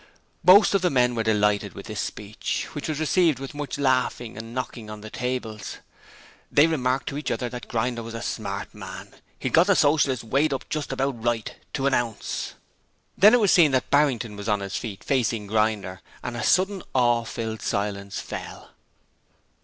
Most of the men were delighted with this speech, which was received with much laughing and knocking on the tables. They remarked to each other that Grinder was a smart man: he'd got the Socialists weighed up just about right to an ounce. Then, it was seen that Barrington was on his feet facing Grinder and a sudden, awe filled silence fell.